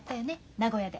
名古屋で。